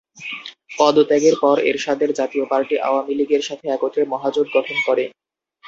পদত্যাগের পর এরশাদের জাতীয় পার্টি আওয়ামী লীগের সাথে একত্রে মহাজোট গঠন করে।